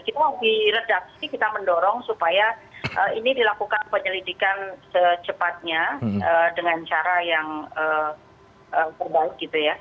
kita mau diredaksi kita mendorong supaya ini dilakukan penyelidikan secepatnya dengan cara yang terbaik gitu ya